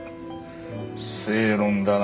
正論だな。